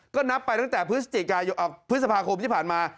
ก็นับไปจากพฤษภาคมที่ผ่านมา